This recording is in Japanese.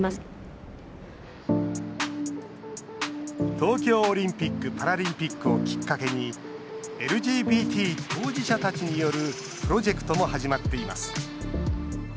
東京オリンピック・パラリンピックをきっかけにＬＧＢＴ当事者たちによるプロジェクトも始まっています。